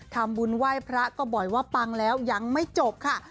ทำบุญไหว้พระก็บ่อยว่าปังแล้วยังไม่จบค่ะ